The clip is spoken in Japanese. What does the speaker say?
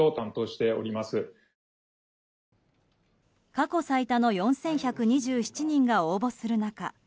過去最多の４１２７人が応募する中